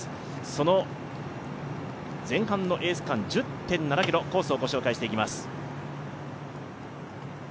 その前半のエース区間、１０．７ｋｍ、コースをご紹介していきます。